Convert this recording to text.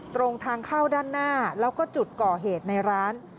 ตรงทางเข้าด้านหน้าแล้วก็จุดก่อเหตุในร้าน